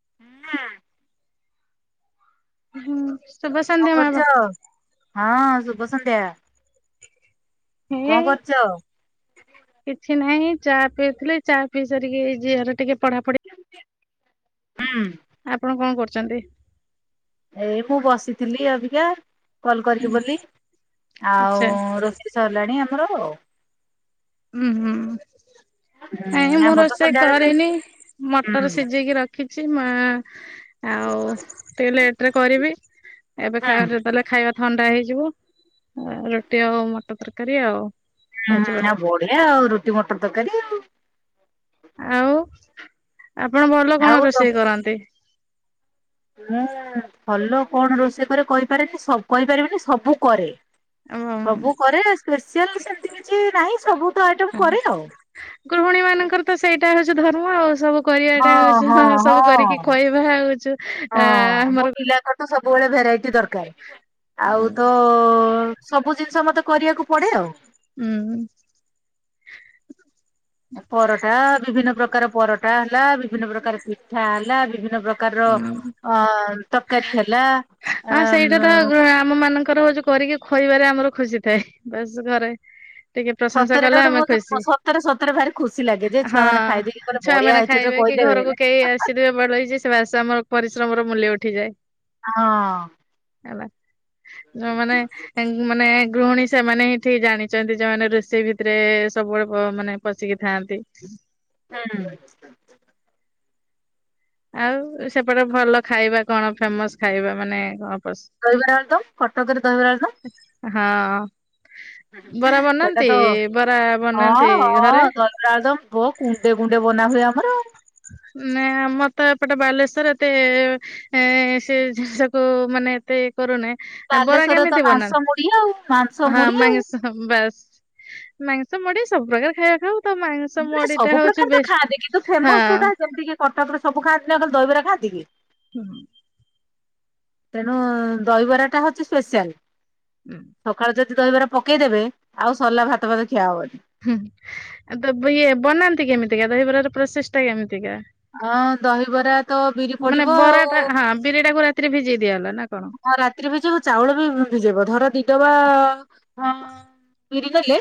[unintelligible] ହୁଁ। ଶୁଭ ସନ୍ଧ୍ୟା କଣ ମାମ କରୁଛ ହଁ ଶୁଭ ସନ୍ଧ୍ୟା। କଣ କରୁଛ? [unintelligible] କିଛି ନାହିଁ ଚା ପିଉଥିଲେ ଚା ପିଇ ସାରିକି ଏଇ ଝିଅର ଟିକେ ପଢ଼ାପଢ଼ି ହୁଁ। ଆପଣ କଣ କରୁଛନ୍ତି? ଏଇ ମୁଁ ବସିଥିଲି ଅଭିକା କଲ୍ କରିବି ବୋଲି ଆଉ ଆଚ୍ଛା ରୋଷେଇ ସାରିଲାଣି ଆମର। ଉୁଁ ହୁଁ ହୁଁ ନାଇ ମୁଁ ଆମର ତ ରୋଷେଇ ସନ୍ଧ୍ୟାବେଳେ କରିନି ହୁଁ ମଟର ସିଝେଇକି ର କିଛି ମା ଆଉ ଟିକେ ଲେଟ ରେ କରିବି ଏବେ ହୁଁ ଖାର ଦେଲେ ଖାଇବା ଥଣ୍ଡା ହେଇଯିବ ରୁଟି ଆଉ ମଟର ତରକାରୀ ଆଉ। ହେଇଯିବ ଆ ବଢ଼ିଆ ଆଉ ରୁଟି ମଟର ତରକାରୀ ଆଉ। ଆଉ ଆପଣ ଭଲ କଣ ଆଉ ତ ରୋଷେଇ କରନ୍ତି? ମୁଁ ଭଲ କଣ ରୋଷେଇ କରେ କହିପାରେନି କହିପାରିବିନି ସବୁ କରେ। ସବୁ କରେ ସ୍ପେସିଆଲ ସେମିତି କିଛି ନାହିଁ ସବୁ ତ ଆଇଟମ ଓ କରେ ଆଉ। ଗୃହିଣୀ ମାନଙ୍କର ତ ସେଇଟା ହଉଛି ଧର୍ମ ଆଉ ସବୁ କରିବା ଟା ହଁ ହଉଛୁ ହଁ ହ ସବୁ ହଁ କରିକି ଖୁଆଇବା ହଉଛୁ ଆ ହଁ ମୋ ଆମର ପିଲାଙ୍କର ତ ସବୁବେଳେ ଭେରାଇଟି ଦରକାର ଆଉ ତୋ ସବୁ ଜିନିଷ ମତେ କରିବାକୁ ପଡ଼େ ଆଉ। ହୁଁ। ପରଟା ବିଭିନ୍ନ ପ୍ରକାର ପରଟା ହେଲା ବିଭିନ୍ନ ପ୍ରକାର ପିଠା ହେଲା ବିଭିନ୍ନ ପ୍ର କାରର ଅ ତରକାରୀ ହେଲା ହଁ ଆ ସେଇଟା ତ ଆମ ମାନଙ୍କର ହଉଚି କରିକି ଖୁଆଇବାରେ ଆମର ଖୁସି ଥାଏ ବାସ ଘରେ। ଟିକେ ପ୍ରଶଂସା ସତରେ ଏଟା କଲେ ଆମେ ଗୋଟେ ବହୁତ ଖୁସି ସତରେ ସତରେ ଭାରି ଖୁସି ଲାଗେ ଯେ ଛୁଆ ହଁ ମାନେ ଖାଇଦେଇକି କହିଲେ ବଢିଆ ଛୁଆମାନେ ହେଇଛି ତ ଖାଇବେ କି କହିଦେବେ ଘରକୁ କେହି [unintelligible] ସେ ବାସ ଆମର ପରିଶ୍ରମର ମୂଲ୍ୟ ଉଠିଯାଏ। ଅଁ। ଆଲା ଯମାନେ ଏନ୍ ମାନେ ଗୃହଣୀ ସେମାନେ ହିଁ ଠିକ୍ ଜାଣିଚନ୍ତି ଯଉମାନେ ରୋଷେଇ ଭିତରେ ସବୁବେଳେ ପ ମାନେ ପଶିକି ଥାଆନ୍ତି। [inaudible] ଆଉ ସେପଟେ ଭଲ ଖାଇବା କଣ ଫେମସ୍ ଖାଇବା ମାନେ ଘ ପସ୍ ଦହିବରା, ଆଳୁଦମ୍ କଟକରେ ଦହିବରା, ଆଲଦମ୍। ହଁ ବରା ସେଟା ବନାନ୍ତି ତ ବରା ବନାନ୍ତି ଘରେ? ରାଦ ପୋ କୁଣ୍ଡେ କୁଣ୍ଡେ ବନା ହୁଏ ଆମର। ନା ଆମର ତ ଏପଟେ ବାଲେଶ୍ଵର ଏତେ ଏଁ ସେ ଜିନିଷକୁ ମାନେ ତେ କରୁନି ଆଁ ବରା ବାଲେଶ୍ଵରରେ ତ କେମିତି ମାଂସ ବନା ମୁଢି ଆଉ ମାଂସ ହଁ ମୁଢି ମା ଆଉ। [unintelligible] ସ୍ ବାସ୍ ମାଂସ, ମୁଡି ସବୁପ୍ରକାର ଖାଇବା ଖାଉ ତ ମାଂସ ମୁଢି ଟା ହଉଚି ବେଶ୍ ଯୋଉ ଫେମସ୍ ଯୋଉଟା ଯମିତି କି କଟକରେ ସବୁ ଖାଆନ୍ତି [unintelligible] ଦଇବରା ଖାଆନ୍ତି କି? ହୁଁ। ତେଣୁ ଦହିବରାଟା ହଉଚି ସ୍ପେଶିଆଲ୍। ଉଁ। ସଖାଳୁ ଯଦି ଦହିବାର ପକେଇଦେବେ ଆଉ ସରିଲା ଭାତ ଭାତ ଖିଆ ଅବନି। ହୁଁ ତ ବ ଇଏ ବନାନ୍ତି କେମିତିକା ଦହିବରାର ପ୍ରୋସେସ୍ ଟା କେମିତିକା? ଅଁ ଦହିବରା ତ ବିରି ପଡିବ ଆଉ। ଅଁ ବିରିଟାକୁ ରା ତିରେ ଭିଜେଇ ଦିଆଏଲା ନା କଣ? ହଁ ରାତିରେ ଭିଜେଇବ ଚାଉଳ ବି ଭିଜେଇବ ଧର ଦି ଡବା ଅଁ ବିରିିନେଲେ।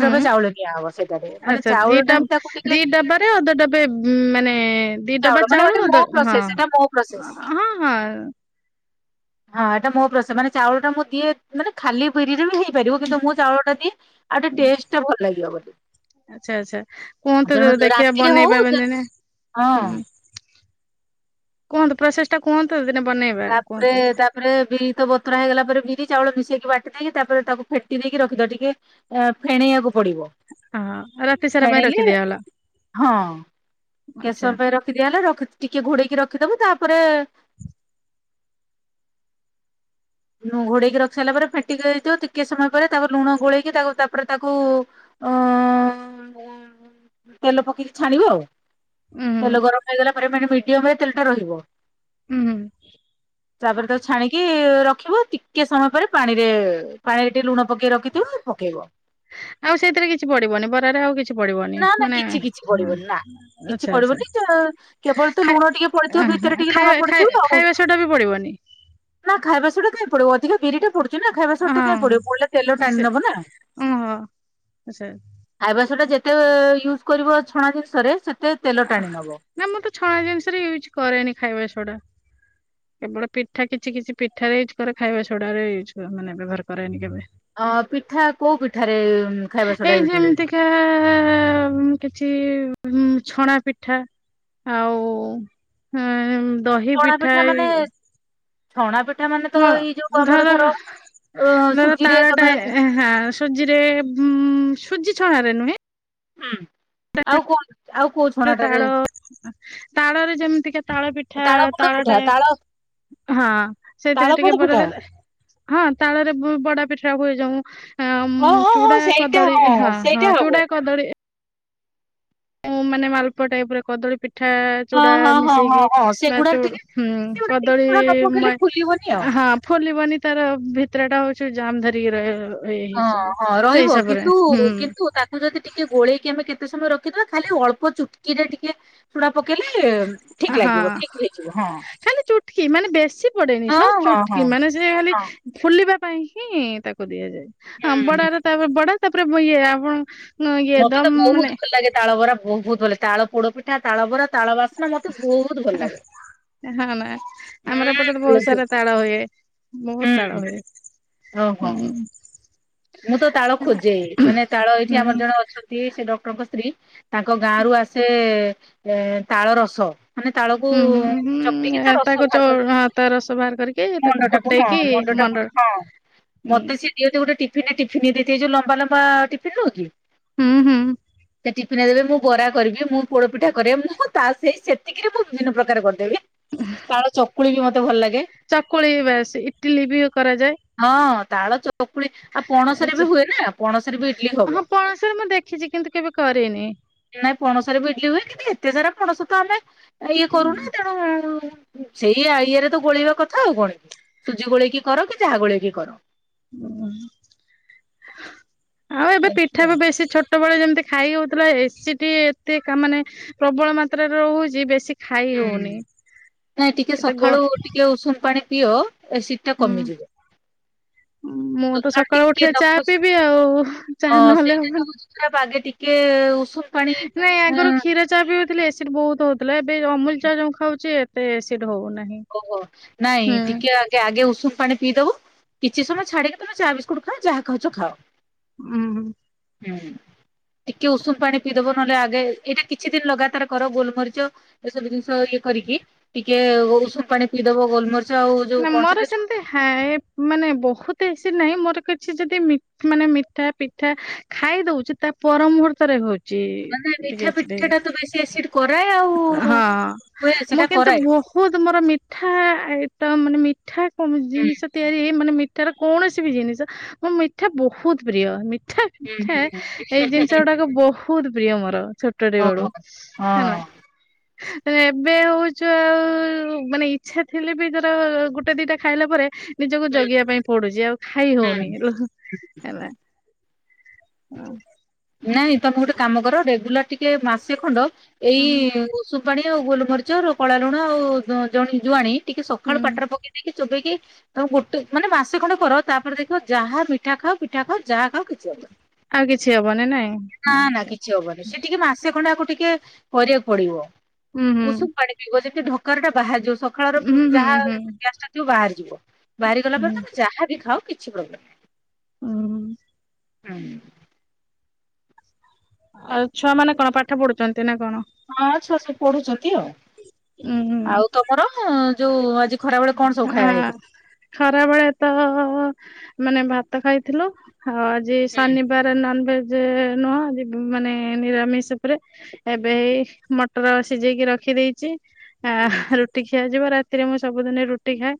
ହୁଁ। ଚାଉଳ ନିଆ ହବ ସେଇଟାରେ ମାନେ ଆଚ୍ଛା ଦି ଚାଉଳ ଟା ଡବ ହିଁ ତାକୁ ଟିକେ ଦି ଡବାରେ ଅଧ ଡବେ ମାନେ ଦି ଡବା ଚାଉଳ ମାନେ [unintelligible] ଅଧ ମୋ ହଁ ପ୍ରୋସେସ୍ ଏଟା ମୋ ପ୍ରସେସ୍ ହଁ ହଁ ହଁ ଏଟା ମୋ ପ୍ରୋସ ମାନେ ଚାଉଳ ଟା ମୁଁ ଦିଏ ମାନେ ଖାଲି ବିରିରେ ବି ହେଇ ପାରିବ କିନ୍ତୁ ମୁଁ ଚାଉଳ ଟା ଦିଏ ଆଉ ଟିଏ ଟେଷ୍ଟ ଟା ଭଲ ଲାଗିବ ବୋଲି ଆଚ୍ଛା ଆଚ୍ଛା କୁହନ୍ତୁ ତେଣୁ ଦେଖିଆ ରାତିରେ ବନେଇ ହଉ [unintelligible] ଉୁଁ ହଁ। କୁହନ୍ତୁ ପ୍ରୋସେସ୍ ଟା କୁହନ୍ତୁ ଦିନେ ବନେଇବା କୁହନ୍ତୁ ପରେ ବିରି ତ ବତୁରା ହେଇଗଲା ପରେ ବିରି ଚାଉଳ ମିଶେଇକି ବାଟି ଦେଇକି ତାପରେ ତାକୁ ଫେଟି ଦେଇକି ରଖିଦବା ଟିକେ ଆ ଫେଣେଇଆକୁ ପଡିବ ହଁ ରାତି ସାରା ପାଇଁ ଫେଣେଇଲେ ରଖିଦିଆଗଲା ହଁ କେ ଆଚ୍ଛା ସମୟର ରଖିଦିଆଏଲା ରଖ୍ ଟିକେ ଘୋଡେଇକି ରଖିଦବୁ ତାପରେ ନୋ ଘୋଡେଇକି ରଖି ସାରିଲା ପରେ ଫେଟିକି ହେଇଥିବ ଟିକେ ସମୟ ପରେ ତାପରେ ଲୁଣ ଗୋଲେଇକି ତାକୁ ତାପରେ ତାକୁ ଅ [unintelligible] ତେଲ ପକେଇକି ଛାଣିବ ଆଉ ଉୁଁ ହୁଁ ତେଲ ଗରମ ହେଇଗଲା ପରେ ମାନେ ମିଡିଅମ୍ ରେ ତେଲ ଟା ରହିବ। ଉୁଁ ହୁଁ ତାପରେ ତାକୁ ଛାଣିକି ର ଖିବ ଟିକେ ସମୟ ପରେ ପାଣିରେ ପାଣିରେ ଟିଏ ଲୁଣ ପକେଇ ରଖିଥିବ ପକେଇବ। ଆଉ ସେଇତିରେ କିଛି ପଡିବନି ବରାରେ ଆଉ କି ଛି ପଡିବନି ନା ନା ମାନେ କିଛି କିଛି ହଁ ପଡିବନି ନା। କିଛି ଆଚ୍ଛା ଆଚ୍ଛା। ପଡିବନି ତ କେବଳ ତ ଖା ଲୁଣ ଟିକେ ପଡିଥିବ ଅଂହ ଭିତରେ ଟିକେ ଲୁଣ ଖାଇବା ପଡିଥିବ ଖାଇ ଆଉ। ଖାଇବା ସୋଡ଼ା ବି ପଡିବନି? ନା ଖାଇବା ସୋଡ଼ା କାଇଁ ପଡିବ ଅଧିକା ବିରିଟା ପଡୁ କି ନା ଖାଇବା ସୋଡ଼ ଟା କାଇଁ ପଡିବ ହଁ ପଡିଲେ ତେଲ ସେ ଟାଣି ନବ ନା। ଓହୋ ଆଚ୍ଛା ଖାଇବ ସୋଡ଼ା ଯେତେ ୟୁଜ୍ କରିବ ଛଣା ଜିନିଷରେ ସେତେ ତେଲ ଟାଣି ନବ। ନା ମୁଁ ତ ଛଣା ଜିନିଷରେ ୟୁଜ୍ କରେନି ଖାଇବା ସୋଡ଼ା। କେବଳ ପିଠା କିଛି କିଛି ପିଠାରେ ୟୁଜ୍ କରେ ଖାଇବା ସୋଡ଼ା ରେ ୟୁଜ୍ କ ମାନେ ବ୍ୟବହାର କରେନି କେବେ। ଅଁ ପିଠା କୋଉ ପିଠାରେ ଖାଇବା ସୋଡ଼ା ୟୁଜ ହୁଏ? ତା ଉଁ କିଛି ଉଁ ଛଣା ପିଠା। ଆଉ ହୁଁ ଦହି ଛଣା ପିଠା ମାନେ ଇ ଛଣା ପିଠା ମାନେ ତ ଏଇ ଯୋଉ ଆମର ଧର ଅ ଦର ସୁଜିରେ ତାର ଏଟା ତମେ ହୁଁ ଏଁ ହାଁ ସୁଜି ରେ ଗୁଁ ସୁଜି ଛଣା ରେ ନୁହେଁ ହୁଁ ଆଉ କଣ ଆ ତାଳ ତାଳରେ ଯେମିତିକା ତାଳ ପିଠା ତାଳ ଟା ହଁ ସେଥିରେ ତାଳ ଟିକେ ପୋଡ ପକେଇ ପିଠା ଦେଲେ ହଁ ତାଳରେ ବ ବଡା ପିଠା ହୁଏ ଯୋଉଁ ହଁ ହଁ ଅମ ହଁ ଚୁଡ଼ା ହଁ ସେଇଟା କଦଳୀ ହଁ ହଁ ସେଇଟା ହବ। ଚୁଡ଼ା କଦଳୀ ଉ ମାନେ ମାଲପୁଆ ଟାଇପ ର କଦଳୀ ପି ପିଠା ହଁ ଚୁଡ଼ା ହଁ ହଁ ହଁ ମିଶେଇକି ହଁ ବା ଚୁ ସେଗୁଡାରେ ଟିକେ ହୁଁ ସେଗୁଡା ଟିକେ କଦଳୀ ଛଣା ନ ପକେଇଲେ ମୁ ଫୁଲିବନି ଆଉ। ହାଁ ଖୋଲିବନି ତାର ଭିତରେ ଟା ହଉଛି ଜାମ ଧରିକି ରହିବ। ହଁ ହଁ ରହିବ କିନ୍ତୁ କିନ୍ତୁ ତା ତାକୁ ଯଦି ଟିକେ ଗୋଳେଇକି ଆମେ କେତେ ସମୟ ରଖିଦବା ଖାଲି ଅଳ୍ପ ଚୁଟକିରେ ଟିକେ ସୋଡ଼ା ପକେଇଲେ ଠିକ ହଁ ଲାଗିବ ଠିକ ହେଇଯିବ ହଁ ଖାଲି ଚୁଟକି ମାନେ ବେଶୀ ପଡେନି ହଁ ସ ହଁ ଚୁଟକି ହଁ ମାନେ ସେ ଖାଲି ହଁ ଫୁଲିବା ପାଇଁ ହିଁ ତାକୁ ଦିଆଯାଏ ହୁଁ ହ୍ନ ହୁଁ। ବଡାର ତାପରେ ବଡା ତାପରେ ଇଏ ଆପଣ ନଁ ଇଏ ମତେ ତ ଦମ ବହୁତ ମାନେ ଭଲ ଲାଗେ ତାଳ ବରା ବହୁତ ଭଲ ତାଳ ପୋଡପିଠା ତାଳ ବରା ତାଳ ବାସ୍ନା ମତେ ବହୁତ ଭଲ ଲାଗେ। ହଁ ନା ଆମର ଏପଟେରେ ହୁଁ ବହୁତ ବୁଝୁ ସାରା ତାଳ ହୁଏ ବହୁତ ତାଳ ହୁଏ। ଓ ହୋ। ହୁଁ ମୁଁ ତ ତାଳ ଖୋଜେ ମାନେ ତାଳ ଏଇଠି ଆମର ହୁଁ ଜଣେ ଅଛନ୍ତି ସେ ଡକ୍ଟରଙ୍କ ସ୍ତ୍ରୀ ତାଙ୍କ ଗାଁ ରୁ ଆସେ ଏ ତାଳ ରସ। ମାନେ ତାଳକୁ ହୁଁ ହୁଁ ଚକଟିକି ତା ହୁଁ ରସ ତାକୁ ବାହାର କରି ଆ ତା ରସ ବାହାର କରିକି ତାକୁ ମଣ୍ଡ ଟାକୁ ହଁ ଫୁଟେଇକି ଟାକୁ ମଣ୍ଡ [inaudible] ହଁ ମତେ ସେ ଦିଅନ୍ତି ଗୋଟେ ଟିଫିନ ରେ ଟିଫିନିଏ ଇଏ ଯୋଉ ଲମ୍ବା ଲମ୍ବା ଟିଫିନ ନୁହକି ହୁଁ ହୁଁ ସେ ଟିଫ ଫିନିଏ ଦେବେ ମୁଁ ବରା କରିବି ମୁଁ ପୋଡ ପିଠା କରେ ମୁଁ ତା ସେଇ ସେତିକିରେ ମୁଁ ବିଭିନ୍ନ ପ୍ରକାର କରେ। ତାଳ ଚକୁଳି ବି ମତେ ଭଲ ଲାଗେ। ଚକୁଳି ବାସ୍ ଇଟିଲି ବି କରାଯାଏ। ହଁ ତାଳ ଚକୁଳି ଆଉ ପଣସରେ ବି ହୁଏ ନା ପଣସରେ ବି ଇଡଲି ହଁ ହବ। ପଣସରେ ମୁଁ ଦେଖିଛି କିନ୍ତୁ କେବେ କରିନି। ନାଇଁ ପଣସରେ ଇଡ଼ିଲି ହୁଏ କିନ୍ତୁ ଏତେ ସାରା ପଣସ ତ ଆମେ ଇଏ କରୁନେ ତେଣୁ ସେଇ ଆଳିଆରେ ତ ଗୋଳେଇବା କଥା ଆଉ କଣ କି ସୁଜି ଗୋଳେଇକି କର କି ଯାହା ଗୋଳେଇକି କର। ହୁଁ। ଆଉ ଏବେ ଏମିତି ପିଠା ଆଉ ବି ବେଶୀ ଛୋଟ ଛୋଟବେଳେ ଯେମିତି ଖାଇହଉଥିଲା ଏସିଡ ଏତେ ମାନେ ପ୍ରବଳ ମାତ୍ରାରେ ରହୁଛି ବେଶୀ ଖାଇ ହୁଁ ହଉନି। ନାଇଁ ଟିକେ ଏତେ ଗ ସକାଳୁ ଟିକେ ଉଷୁମ ପାଣି ପିଅ ଏସିଡ ଟା ହୁଁ କମିଯିବ। ମୁଁ ତ ସଖାଳୁ ସକାଳୁ ଟିକେ ଉଠିଲେ ଚା ନଖ ଉଷୁମ ପିଇବି ଆଉ ଚାହା ହଁ ନହେଲେ ସେଇଟାତ ହବନି। ହଉଛି ସଖାଳୁ ଆଗେ ଟିକେ ଉଷୁମ ପାଣି ନାଇଁ ଏଁ ୟାଙ୍କର କ୍ଷୀର ଚା ପିଉଥିଲେ ଏସିଡ ବହୁତ ହଉଥିଲା ଏବେ ଅମୁଲ ଚା ଯୋଉ ଖାଉଚେ ଏତେ ଏସିଡ ହଉନାହିଁ। ଓହୋ ନାଇଁ ଟିକେ ଆଗେ ଉଷୁମ ପାଣି ପିଇଦବ କିଛି ସମୟ ଛାଡିକି ତମେ ଚା ବିସ୍କୁଟ ଖାଅ ଯାହ ଖାଉଛ ଖାଅ। ହୁଁ। ହୁଁ। ଟିକେ ଉଷୁମ ପାଣି ପିଇଦବ ନହେଲେ ଆଗେ ଏଇଟା କିଛି ଦିନ ଲଗାତାର କର ଗୋଲମରିଚ ଏସବୁ ଜିନିଷ ଇଏ କରିକି ଟିକେ ଉଷୁମ ପାଣି ପିଇଦବ ଗୋଲମରି ନା ମୋର ସେମିତି ହାଏ ମାନେ ବହୁତ ଏସିଡ ନାହିଁ ମୋର କିଛି ଯଦି ମିଠା ମାନେ ମି ମିଠା ପିଠା ଖାଇ ଦଉଛି ତା ପର ମୁହୂର୍ତ୍ତରେ ହଉଛି। ମାନେ ମିଠା ପିଠା ଟା ତ ବେଶୀ ଏସିଡ କରାଏ ଆଉ ହଁ ହୁଏ ମୋର ସେଟା କିନ୍ତୁ କରାଏ। ବହୁ ବହୁତ ମୋର ମିଠା ଆଇଟମ ମାନେ ମିଠା କ ହୁଁ ଜିନିଷ ତିଆରି ହେଇ ମାନେ ମିଠାର କୌଣସି ବି ଜିନିଷ ମଁ ମିଠା ବହୁତ ପ୍ରିୟ ମିଠା ହୁଁ ମିଠା ହୁଁ ଏଇ ହୁଁ। ଜିନିଷ ଗୁଡାକ ବହୁତ ପ୍ରିୟ ମୋର ଛୋଟ ଓହୋ ଛୋଟଟିବେଳୁ ହେଲା। ହଁ। ଏବେ ହଉଛୁ ଆଉ ମାନେ ଇଚ୍ଛା ଥିଲେ ବି ଗୋଟେ ଦିଟା ଖାଇଲା ପରେ ନିଜକୁ ହୁଁ ଜଗିବା ପାଇଁ ପଡୁଛି ଆଉ ଖାଇ ହୁଁ। ହଉନି ହେଲା। ହଉ ନାଇଁ ତମେ ଗୋଟେ କାମ କର ରେଗୁଲାର ଟିକେ ମାସେ ଖଣ୍ଡ ହୁଁ ଏଇ ଉଷୁମ ପାଣି ଆଉ ଗୋଲମରିଚ କଳା ଲୁଣ ଆଉ ଜ ଜୁଆଣି ଟିକେ ସକାଳୁ ହୁଁ ପାଟିରେ ପକେଇ ଦେଇକି ଚୋବେଇକି ତମେ ଗୋଟେ ମାନେ ମାସେ ଖଣ୍ଡ କର ତାପରେ ଦେଖିବ ଯାହା ମିଠା ଖାଅ ପିଠା ଖାଅ ଯାହା ଖାଅ କିଛି ହବନି। ଆଉ କିଛି ହବନି ନାଇଁ। ନା ନା ଆଛା କିଛି ହବନି ସେ ଟିକେ ମାସେ ଖଣ୍ଡେ ଆକୁ ଟିକେ କରିବାକୁ ପଡିବ ହୁଁ ହୁଁ ଉଷୁମ ପାଣି ଥିବ ଯେମତି ଢକାରଟା ବାହାରି ଯିବ ସକାଳର ହୁଁ ଯାହା ହୁଁ ହୁଁ ଗ୍ୟାସ ଟା ତୁ ବାହାରି ଯିବ ବାହାରି ଗଲା ହୁଁ ପରେ ତମେ ଯାହା ବିି ଖାଉ କିଛି ପ୍ରୋବ୍ଲେ ନାହିଁ! ଉଁ ହୁଁ। ଆଉ ଛୁଆ ମାନେ କଣ ପାଠ ପଢୁଛନ୍ତି ନା କଣ? ହଁ ଛୁଆସବୁ ପଢୁଛନ୍ତି ଆଉ ଉୁଁ ଆଉ ତମର- ଯୋଉ ଆଜି ଖରାବେେଳେ କଣ ସବୁ ଆ ଖାଇବା ହେଇଥିଲା? ଖରା ବେଳେ ତ ମାନେ ଭାତ ଖାଇଥିଲୁ ଆଉ ଆଜି ହୁଁ ଶନିବାର- ନ ଭେଜ ନୁହଁ ଅଜିମାନେ ନିରାମିଷ ଉପରେ ଏବେଇ- ମଟର ସିଝେଇକି ରଖିଦେଇଛି ଆ ହୁଁ ରୁଟି ଖିଆଯିବ ରାତି- ରାତିରେ ମୁଁ ସବୁଦିନେ ରୁଟି ଖାଏ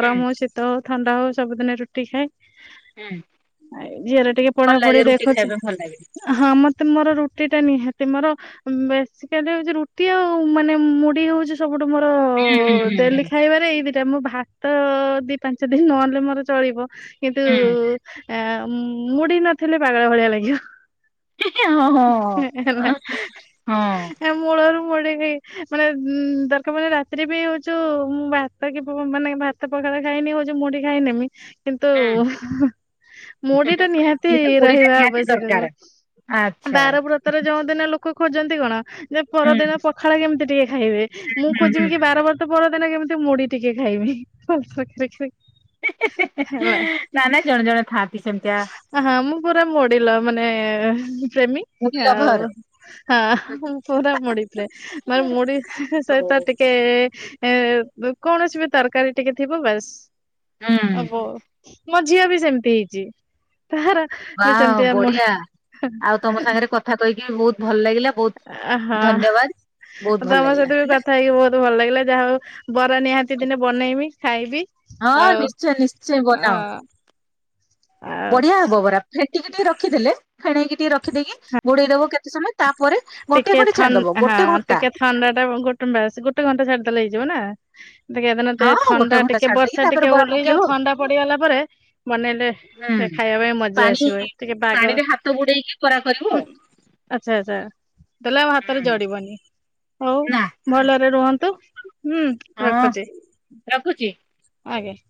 ହୁଁ ଶୀତ ଥଣ୍ଡା ହଉ ସବୁଦିନେ ରୁଟି ଖାଏ। ହୁଁ। ଆ ଝିଅର ଟିକେ ଭଲ ପଢାପଢ଼ି ଲାଗେ ରୁଟି ଦେଖୁଚି ଖାଇବା ପାଇଁ ଭଲ ଲାଗେ। - ହଁ ମତେ ମୋର ରୁଟି ଟା ନିହାତି ମୋର- ବେସିକାଲି ହଉଛି ରୁଟି ଆଉ ମାନେ ମୁଢି ହଉଛି ସବୁଠୁ ମୋର- ହୁଁ ହୁଁ ହୁଁ ହୁଁ ଡେଲି ଖାଇବାରେ ଏଇ ଦିଟା ମୋ ଭାତ ଦି ପାଞ୍ଚ ଦିନ ନହେଲେ ମୋର ଚଳିବ କିନ୍ତୁ ହୁଁ। ଆ ମୁଡି ନଥିଲେ ପାଗଳା ଭଳିଆ ଲାଗିବ। ହଁ ହେଲା। ହଁ ହଁ ଏ ମୂଳରୁ ମଡି ହେ ମାନେ ଉଁଦରକାର ପଡିଲେରାତିି ବି ହଉ- ତୁମୁଁ ଭାତ କି ମାନେ ଭାତ ପଖାଳ ଖାଇନି ହଉଛି ମୁଡି ଖାଇନେମି- କିନ୍ତୁ ହୁଁ। ମୁଢ଼ି ଟା ନିହାତି କିନ୍ତୁ ପୁରୀଟା ରହିବା ନିହାତି ଆବଶ୍ୟକ ଦରକାର। ଆଚ୍ଛା। ବାରବ୍ର- ତେର ଯୋଉ ଦିନ ଲୋକ ଖୋଜନ୍ତି କଣ ଯେ ହୁଁ ପରଦିନ ପଖାଳ କେମିତି ଟିକେ ଖାଇବେ ମୁଁ ହୁଁ ହୁଁ। ଖୋଜିବି କି ବାରବର୍ତ ପରଦିନ କେମିତି ମୁଢ ଟିକେ ଖାଇବି। ହେଲା। ନା ନାାଇ ଜଣେ ଜଣେ ଥାଆନ୍ତି ସେମିତିଆ ହଁ ମୁଁ ପୁରା ମୋଡ଼ିଲ ମାନେ ପ୍ରେମୀ ପୁରୀ ଆଉ ଲଭର। ହଁ ମୁଁ ପୁରା ମଡିିପ୍ରେମର ମୁଡି ସହିତ ହଉ। ଟି ଟିକେ କୌଣସି ବି ତରକାରୀ ଟିକେ ଥିବ ବାସ୍ ହୁଁ। ହବ ମୋ ଝିଅ ବି ସେମିତି ହେଇଛି। ତାର- ବାହ ବଢିଆ ଆଉ ତମ ସାଙ୍ଗରେ କଥା କହିକି ବହୁତ ଭଲ ଲାଗିଲା ବହୁତ ଅହଁ ଧନ୍ୟବାଦ ବହୁତ ଭଲ ତମ ଲାଗିଲା ସହିତ ବି ହେଲା। କଥା ହେଇକି ବହୁତ ଭଲ ଲାଗିଲା ଯାହା ହଉ ବରା ନିହାତି ଦିନେ ବନେଇବି ଖାଇବି ହଁ ଆଉ ନିଶ୍ଚୟ ନିଶ୍ଚୟ ବନାଅ ହଁ। ଆଉ ବଢିଆ ହବ ବରା ଫେଟିକି ଟିକେ ରଖିଦେଥିଲେ ଫେଣେଇକି ଟିକେ ରଖିଦେଇକି ଘୋଡେଇଦବ କେତେ ସମୟ ତାପରେ ଗୋଟିଏ ଟିକେ ଖଣ୍ଡେ ଥନ ଛାଡିଦବ ହଁ ଗୋଟେ ଘଣ୍ଟା। ଟିକେ ଥଣ୍ଡା ଟା ଗୋଟେ ଗୋଟେ ଘଣ୍ଟା ଛାଡିଦେଲେ ହେଇଯିବ ନା? ଏଦିନ ତେ ହଁ ଗୋଟେ ଥଣ୍ଡା ଘଣ୍ଟା ଟିକେ ଛାଡି ଦେଇକି ବର୍ଷା ତାପରେ ଟିକେ ବରା ଓଲ୍ଲେଇ ଯାଉ ପକେଇବ ଥଣ୍ଡା ପଡିଗଲା ପରେ ବନେଇଲେ ହୁଁ ସେଖାଇବା ପାଇଁ ମଜା ପାଣି ଆସିବ ଟିକେ ପାଗ ପାଣିରେ ହାତ ବୁଡେଇକି ବରା କରିବ ହୁଁ। ଆଉ ଆଛା ଆଚ୍ଛା। ତାହାଲେ ଆଉ ହାତରେ ହୁଁ ଝଡିବନି ହଉ ନା ଭଲରେ ରୁହନ୍ତୁ ହୁଁ। ହଁ ରଖୁଚି ରଖୁଛି। ଆଜ୍ଞା।